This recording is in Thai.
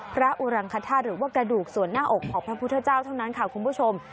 อุรังคธาตุหรือว่ากระดูกส่วนหน้าอกของพระพุทธเจ้าเท่านั้นค่ะคุณผู้ชม